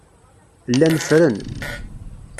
Llan ffren.